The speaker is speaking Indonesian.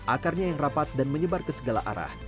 akarnya yang rapat dan menyebar ke segala arah